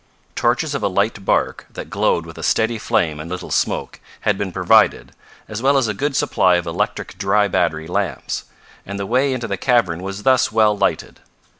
Torches of a light bark, that glowed with a steady flame and little smoke, had been provided, as well as a good supply of electric dry battery lamps, and the way into the cavern was thus well lighted.